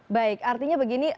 baik artinya begini